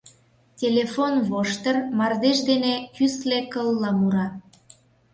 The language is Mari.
Телефон воштыр мардеж дене кӱсле кылла мура.